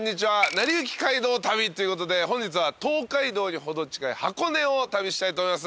『なりゆき街道旅』ということで本日は東海道に程近い箱根を旅したいと思います。